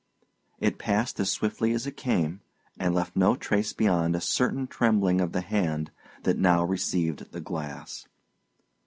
It passed as swiftly as it came, and left no trace beyond a certain trembling of the hand that now received the glass.